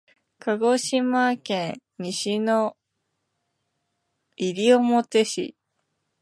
鹿児島県西之表市